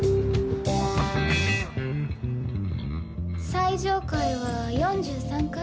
最上階は４３階？